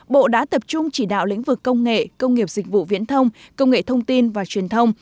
bộ đã tập trung chỉ đạo lĩnh vực công nghệ công nghiệp dịch vụ viễn thông công nghệ thông tin và truyền thông